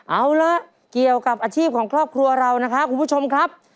เอาละเกี่ยวกับอาชีพของครอบครัวเรานะครับคุณผู้ชมครับ